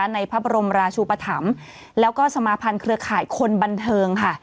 ในพระบรมราชูปธรรมแล้วก็สมาภัณฑ์เครือข่ายคนบันเทิงค่ะ